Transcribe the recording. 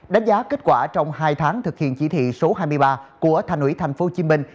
đánh giá kết quả trong hai tháng thực hiện chỉ thị số hai mươi ba của thành ủy thành phố hồ chí minh